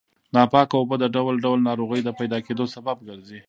ناپاکه اوبه د ډول ډول ناروغیو د پیدا کېدو سبب ګرځي.